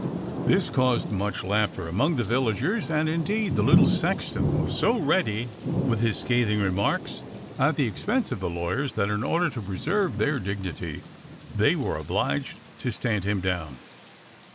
This caused much laughter among the villagers, and indeed the little sexton was so ready with his scathing remarks at the expense of the lawyers that in order to preserve their dignity they were obliged to stand him down.